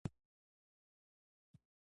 د افغانستان جغرافیه کې بادام ستر اهمیت لري.